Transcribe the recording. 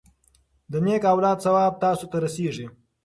د نیک اولاد ثواب تاسو ته رسیږي.